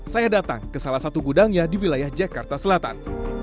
saya datang ke salah satu gudangnya di wilayah jakarta selatan